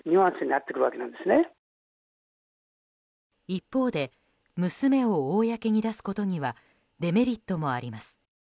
一方で娘を公に出すことにはデメリットもあります。